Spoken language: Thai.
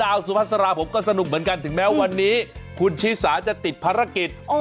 สุภาษาราผมก็สนุกเหมือนกันถึงแม้วันนี้คุณชีสาจะติดภารกิจ